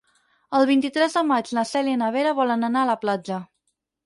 El vint-i-tres de maig na Cèlia i na Vera volen anar a la platja.